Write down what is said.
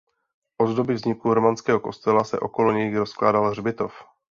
Od doby vzniku románského kostela se okolo něj rozkládal hřbitov.